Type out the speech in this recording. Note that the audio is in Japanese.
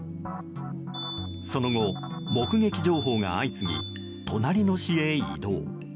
その後、目撃情報が相次ぎ隣の市へ移動。